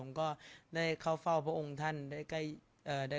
สงฆาตเจริญสงฆาตเจริญ